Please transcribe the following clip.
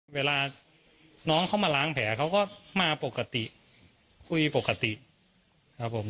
เวลาน้องเขามาล้างแผลเขาก็มาปกติคุยปกติครับผม